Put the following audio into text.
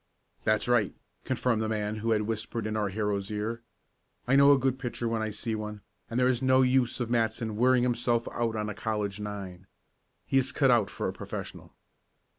"That's right," confirmed the man who had whispered in our hero's ear. "I know a good pitcher when I see one, and there is no use of Matson wearing himself out on a college nine. He is cut out for a professional!"